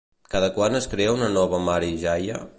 Cada quant es crea una nova Mari Jaia?